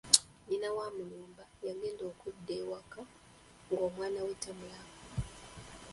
Nnyina wa Mulumba yagenda okudda eka ng’omwana we tamulaba.